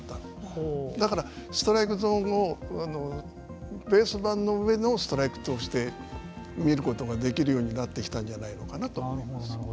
だからストライクゾーンをベース板の上のストライクとして見ることができるようになってきたんじゃないのかなと思います。